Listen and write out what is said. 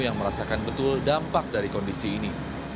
yang merasakan betul dampak dari kondisi ini